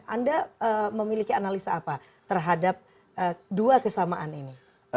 anda memiliki analisa apa terhadap dua kesamaan ini